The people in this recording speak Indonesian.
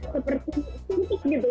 seperti sumpit gitu